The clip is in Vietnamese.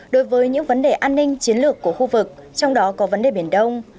đối với những vấn đề an ninh chiến lược của khu vực trong đó có vấn đề biển đông